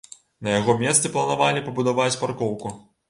На яго месцы планавалі пабудаваць паркоўку.